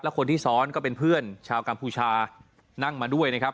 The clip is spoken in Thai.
คนที่ซ้อนก็เป็นเพื่อนชาวกัมพูชานั่งมาด้วยนะครับ